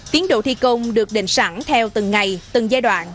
tiến độ thi công được định sẵn theo từng ngày từng giai đoạn